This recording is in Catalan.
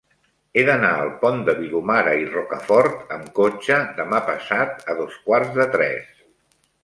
He d'anar al Pont de Vilomara i Rocafort amb cotxe demà passat a dos quarts de tres.